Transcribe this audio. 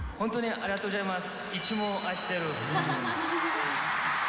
ありがとうございます。